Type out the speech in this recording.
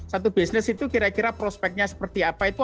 satu bisnis itu kira kira prospeknya seperti apa itu